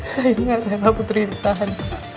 saya ingat reva putri ditahan